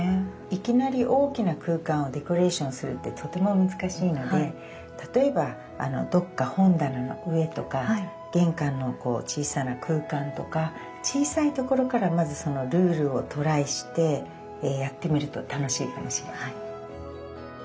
いきなり大きな空間をデコレーションするってとても難しいので例えばどっか本棚の上とか玄関の小さな空間とか小さいところからまずそのルールをトライしてやってみると楽しいかもしれない。